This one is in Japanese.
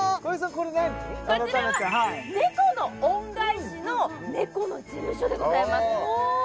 こちらは「猫の恩返し」の猫の事務所でございますおお！